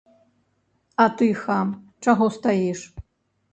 А ты, хам, чаго стаіш?